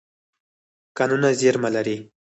کانونه زیرمه لري.